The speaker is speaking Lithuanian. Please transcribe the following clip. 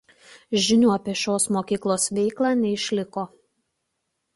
Žinių apie šios mokyklos veiklą neišliko.